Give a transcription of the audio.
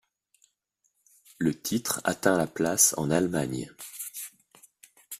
Le titre atteint la place en Allemagne.